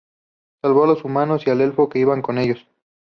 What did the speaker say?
Salvó a los dos humanos y al elfo que iba con ellos.